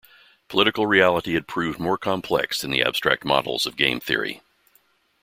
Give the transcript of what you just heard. Political reality had proved more complex than the abstract models of game theory.